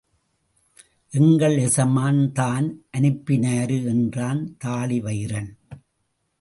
எங்கள் எசமான் தான் அனுப்பினாரு என்றான் தாழிவயிறன்.